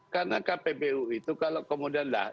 karena kpbu itu kalau kemudian lah